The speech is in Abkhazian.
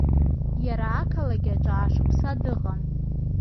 Иара ақалақь аҿы аашықәса дыҟан.